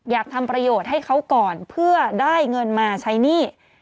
อยากทำประโยชน์ให้เขาก่อนเพื่อได้เงินมาใช้หนี้